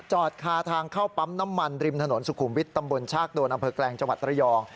คาทางเข้าปั๊มน้ำมันริมถนนสุขุมวิทย์ตำบลชากโดนอำเภอแกลงจังหวัดระยอง